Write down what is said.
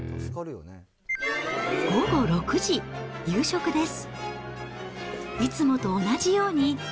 午後６時、夕食です。